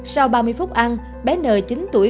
sau ba mươi phút ăn bé n t tr